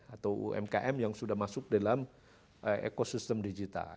atau umkm yang sudah masuk dalam ekosistem digital